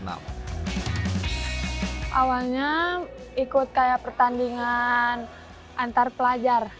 awalnya ikut kayak pertandingan antar pelajar